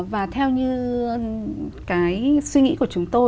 và theo như cái suy nghĩ của chúng ta